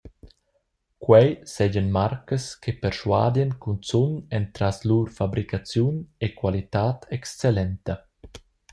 Quei seigien marcas che perschuadien cunzun entras lur fabricaziun e qualitad excellenta.